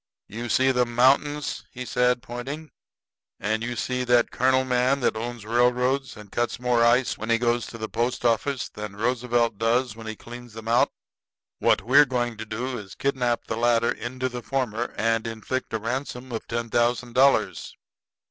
"You see them mountains," said he, pointing. "And you seen that colonel man that owns railroads and cuts more ice when he goes to the post office than Roosevelt does when he cleans 'em out. What we're going to do is to kidnap the latter into the former, and inflict a ransom of ten thousand dollars."